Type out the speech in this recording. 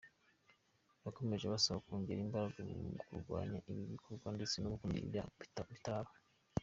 Yakomeje abasaba kongera imbaraga mu kurwanya ibi bikorwa ndetse no gukumira ibyaha bitaraba.